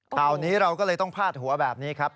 ข่าวนี้เราก็เลยต้องพาดหัวแบบนี้ครับ